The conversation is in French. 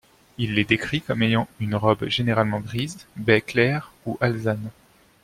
Il les décrit comme ayant une robe généralement grise, baie claire ou alezane.